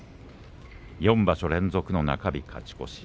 ４場所連続の中日勝ち越し。